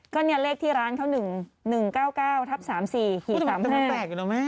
ก็เนี่ยเลขที่ร้านเค้านึกหนึ่งเหมาะแปลกอยู่ด่อแม่